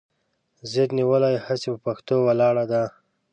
ضد نیولې هسې پهٔ پښتو ولاړه ده